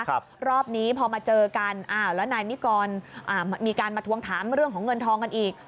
รอบนี้พอมาเจอกันอ้าวแล้วนายนิกรอ่ามีการมาทวงถามเรื่องของเงินทองกันอีก